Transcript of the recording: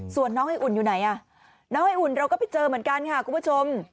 ส่วนน้องไออุ่นอยู่ไหนอ่ะน้องไออุ่นเราก็ไปเจอเหมือนกันค่ะคุณผู้ชม